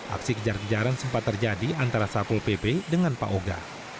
aksi kejar kejaran sempat terjadi antara satpol pp dengan pak oga